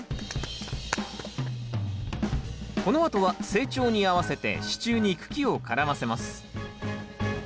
このあとは成長に合わせて支柱に茎を絡ませます。